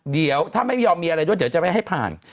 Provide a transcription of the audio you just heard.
เดี๋ยวถ้าไม่ยอมมีอะไรด้วยเดี๋ยวจะไม่ให้ผ่าน